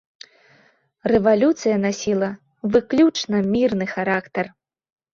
Рэвалюцыя насіла выключна мірны характар.